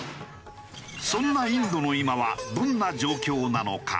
そんなインドの今はどんな状況なのか？